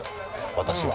私は。